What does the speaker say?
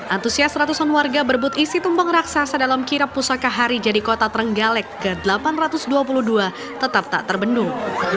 antusias ratusan warga berebut isi tumpeng raksasa dalam kirap pusaka hari jadi kota trenggalek ke delapan ratus dua puluh dua tetap tak terbendung